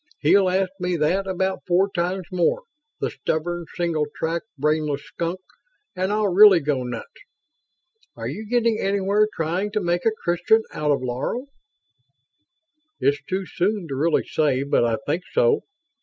He'll ask me that about four times more, the stubborn, single tracked, brainless skunk, and I'll really go nuts. Are you getting anywhere trying to make a Christian out of Laro?" "It's too soon to really say, but I think so."